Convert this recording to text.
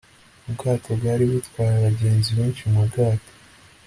ubwato bwari butwaye abagenzi benshi mubwato